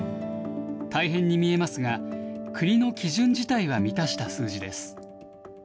大変に見えますが、国の基準自体は満たした数字です。